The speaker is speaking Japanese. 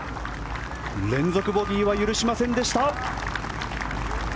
連続ボギーは許しませんでした。